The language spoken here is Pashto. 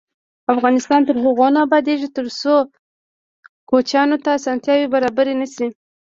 افغانستان تر هغو نه ابادیږي، ترڅو کوچیانو ته اسانتیاوې برابرې نشي.